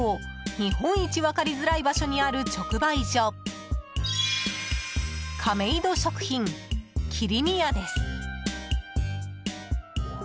日本一分かりづらい場所にある直売所・亀戸食品きりみ屋です。